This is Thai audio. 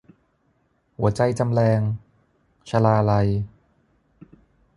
หัวใจจำแลง - ชลาลัย